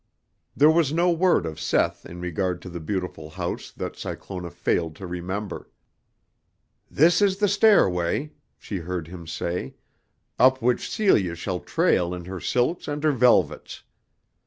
There was no word of Seth in regard to the beautiful house that Cyclona failed to remember. "This is the stairway," she heard him say, "up which Celia shall trail in her silks and her velvets.